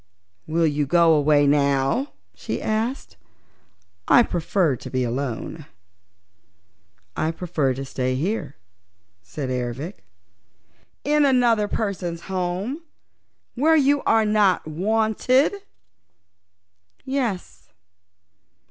"Will you go away now?" she asked. "I prefer to be alone." "I prefer to stay here," said Ervic. "In another person's home, where you are not wanted?" "Yes."